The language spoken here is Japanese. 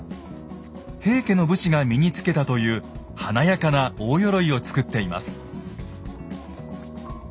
平家の武士が身につけたという華やかな大鎧を作っています。